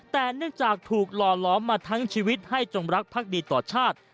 แต่เนื่องจากถูกหล่อล้อมมาทั้งชีวิตให้จงรักภักดีต่อชาติ